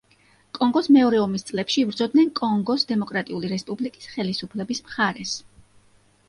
კონგოს მეორე ომის წლებში იბრძოდნენ კონგოს დემოკრატიული რესპუბლიკის ხელისუფლების მხარეს.